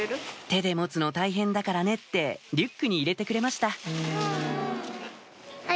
「手で持つの大変だからね」ってリュックに入れてくれました